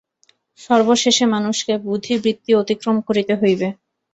সর্বশেষে মানুষকে বুদ্ধিবৃত্তি অতিক্রম করিতে হইবে।